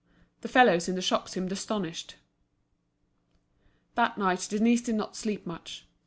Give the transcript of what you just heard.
The fellows in the shop seemed astonished. That night Denise did not sleep much.